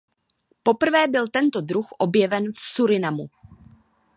Poprvé byl tento druh objeven v Surinamu.